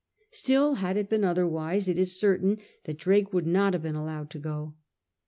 Still, had it been otherwise, it is certain Drake would not have been allowed to go.